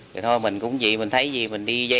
rồi thôi mình cũng vậy mình thấy gì mình đi